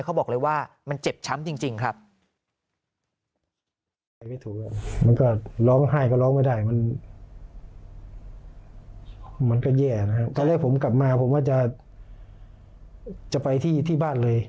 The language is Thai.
เขาบอกเลยว่ามันเจ็บช้ำจริงครับ